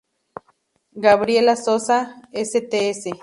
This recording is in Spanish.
Gabriela Sosa, Cts.